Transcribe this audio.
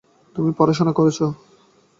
তুমি পড়াশোনা করেছো?